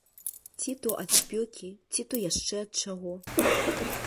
Ці то ад спёкі, ці то яшчэ ад чаго.